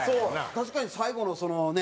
確かに最後のそのね